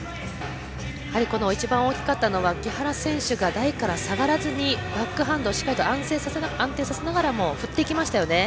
一番大きかったのは木原選手が台から下がらずにバックハンドを安定させながらも振っていきましたよね。